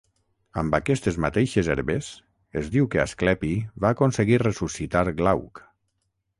Amb aquestes mateixes herbes, es diu que Asclepi va aconseguir ressuscitar Glauc.